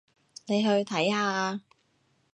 你去睇下吖